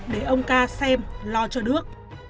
để ông ca xem lo cho đức